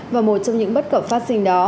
và một trong những bất cập phát sinh đó